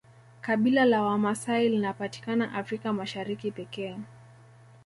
kabila la wamasai linapatikana africa mashariki pekee